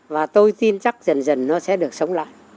và tôi tin chắc dần dần nó sẽ được sống lại